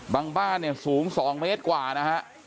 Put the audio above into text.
บ้านเนี่ยสูง๒เมตรกว่านะฮะ